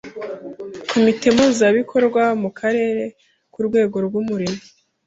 Komite mpuzabikorwa mu Karere nk’urwego rw’umurimo,